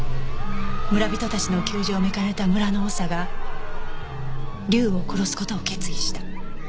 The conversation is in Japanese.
村人たちの窮状を見かねた村の長が竜を殺す事を決意した。